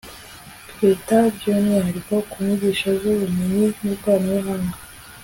twita by'umwihariko ku nyigisho z'ubumenyi n'ikoranabuhanga